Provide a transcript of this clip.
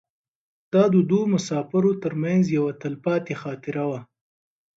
دا د دوو مسافرو تر منځ یوه تلپاتې خاطره وه.